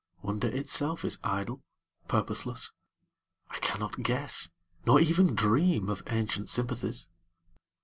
Wonder itself is idle, purposeless; I cannot guess Nor even dream of ancient sympathies.